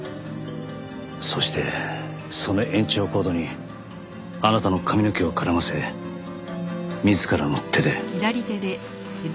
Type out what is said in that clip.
そしてその延長コードにあなたの髪の毛を絡ませ自らの手で。